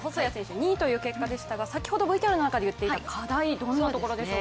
２位という結果でしたが先ほどＶＴＲの中で言っていた課題はどういうところでしょう。